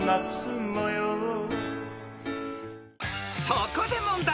［そこで問題］